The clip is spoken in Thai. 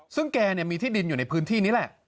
ซึ่งแกมีที่ดินอยู่ในพื้นที่นี้แหละ